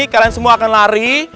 kalian semua akan lari